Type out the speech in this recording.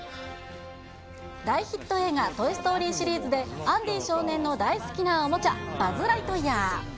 大ヒット映画、トイ・ストーリーシリーズで、アンディ少年の大好きなおもちゃ、バズ・ライトイヤー。